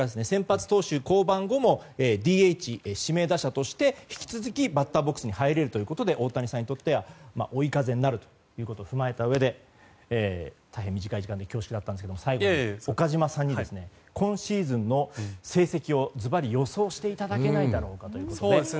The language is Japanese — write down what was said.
先発投手降板後もＤＨ指名打者として引き続きバッターボックスに入れるということで大谷さんにとっては追い風になるということを踏まえたうえで大変短い時間で恐縮ですが最後、岡島さんに今シーズンの成績をずばり、予想をしていただけないだろうかと。